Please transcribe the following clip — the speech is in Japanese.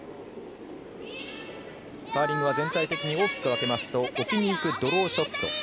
カーリングは全体的に大きく分けますと置きにいくドローショット。